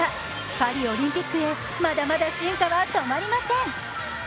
パリオリンピックへ、まだまだ進化は止まりません！